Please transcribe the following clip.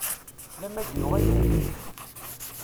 D amagnu aya?